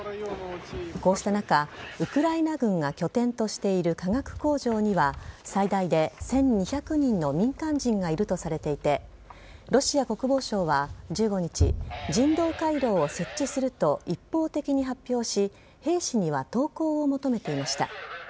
こうした中、ウクライナ軍が拠点としている化学工場には最大で１２００人の民間人がいるとされていてロシア国防省は１５日人道回廊を設置すると一方的に発表し兵士には投降を求めていました。